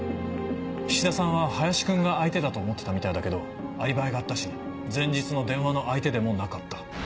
菱田さんは林君が相手だと思ってたみたいだけどアリバイがあったし前日の電話の相手でもなかった。